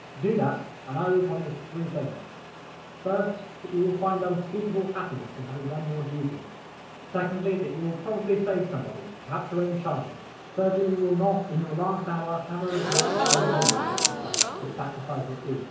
Do that, and I will promise three things: First, That you will find unspeakable happiness in having done your duty; secondly, you will probably save somebody, perhaps your own child; thirdly, you will not, in your last hour, have a regret that you made the sacrifice, if sacrifice it be.